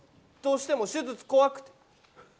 どうしても手術怖くて。